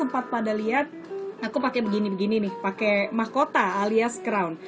pake mahkota alias crown